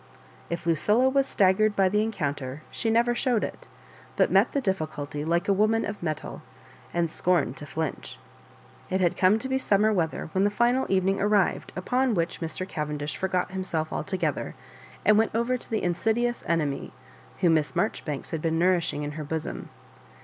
If Lucilla was staggered by the encounter, she never showed it, but met the difficulty like a woman of mettle, and scorned to flinch. It had come to be summer weather when the final evening arrived upon which Mr. Caven dish forgot himself altogether, and went over to the insiduous enemy whom Miss Marjoribanks had been nourishing in her bosom.